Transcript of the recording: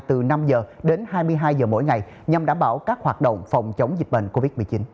công an từ năm giờ đến hai mươi hai giờ mỗi ngày nhằm đảm bảo các hoạt động phòng chống dịch bệnh covid một mươi chín